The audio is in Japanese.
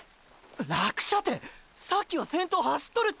落車てさっきは先頭走っとるって。